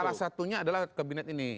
salah satunya adalah kabinet ini